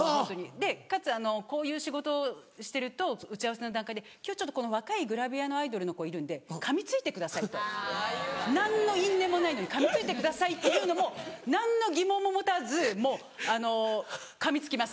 でかつこういう仕事をしてると打ち合わせの段階で「今日若いグラビアのアイドルの子いるんでかみついてください」と何の因縁もないのに「かみついてください」っていうのも何の疑問も持たずもうあのかみつきます。